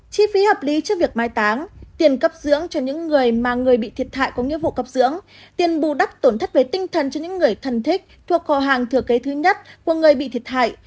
chi phí hợp lý trước việc mái táng tiền cấp dưỡng cho những người mà người bị thiệt hại có nhiệm vụ cấp dưỡng tiền bù đắc tổn thất với tinh thần cho những người thân thích thuộc khò hàng thừa kế thứ nhất của người bị thiệt hại